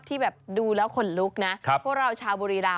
ติดตามข่าวนี้